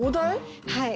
はい。